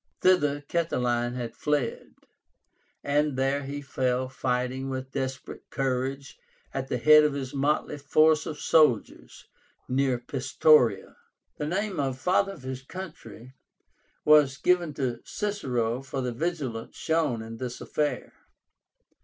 Thither Catiline had fled, and there he fell fighting with desperate courage at the head of his motley force of soldiers near Pistoria. The name of "Father of his Country" was given to Cicero for the vigilance shown in this affair.